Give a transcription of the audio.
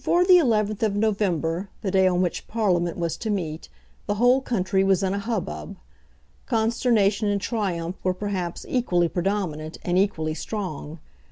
Before the 11th of November, the day on which Parliament was to meet, the whole country was in a hubbub. Consternation and triumph were perhaps equally predominant, and equally strong.